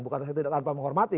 bukan saya tidak tanpa menghormati